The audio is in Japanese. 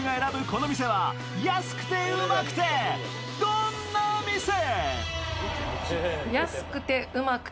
この店は安くてうまくてどんな店。